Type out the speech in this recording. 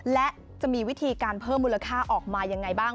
และจะมีวิธีการเพิ่มมูลค่าออกมายังไงบ้าง